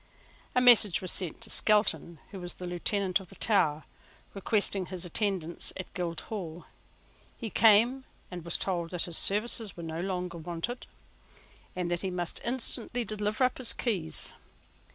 A message was sent to Skelton, who was Lieutenant of the Tower, requesting his attendance at Guildhall. He came, and was told that his services were no longer wanted, and that he must instantly deliver up his keys.